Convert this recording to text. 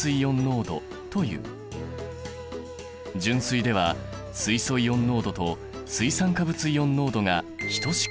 純水では水素イオン濃度と水酸化物イオン濃度が等しくなる。